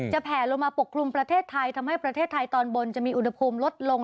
แผลลงมาปกคลุมประเทศไทยทำให้ประเทศไทยตอนบนจะมีอุณหภูมิลดลง